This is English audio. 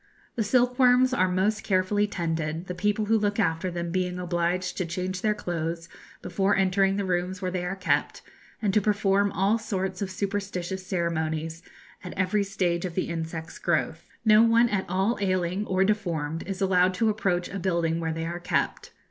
The silkworms are most carefully tended, the people who look after them being obliged to change their clothes before entering the rooms where they are kept, and to perform all sorts of superstitious ceremonies at every stage of the insect's growth. No one at all ailing or deformed is allowed to approach a building where they are kept.